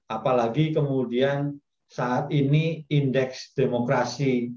apalagi kemudian saat ini indeks demokrasi